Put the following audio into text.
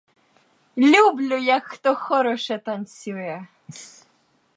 Люблю, як хто хороше танцює!